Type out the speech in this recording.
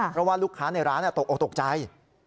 เพราะว่าลูกค้าในร้านตกใจ